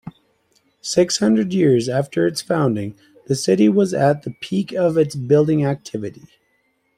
Six hundred years after its founding, the city was at the peak of its building activity.